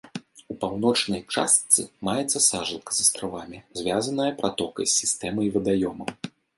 У паўночнай частцы маецца сажалка з астравамі, звязаная пратокай з сістэмай вадаёмаў.